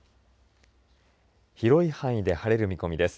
広い範囲で晴れる見込みです。